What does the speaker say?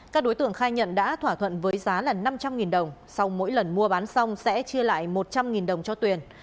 các đối tượng khai nhận đã thỏa thuận với giá là năm trăm linh đồng sau mỗi lần mua bán xong sẽ chia lại một trăm linh đồng cho tuyền